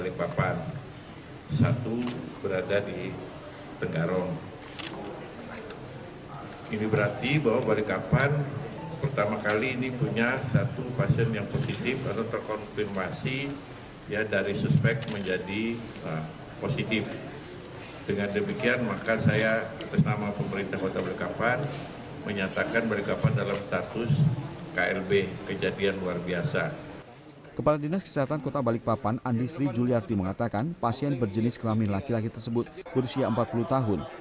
kepala dinas kesehatan kota balikpapan andi sri juliarti mengatakan pasien berjenis kelamin laki laki tersebut berusia empat puluh tahun